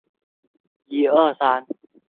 凤鸣古冢的历史年代为宋代。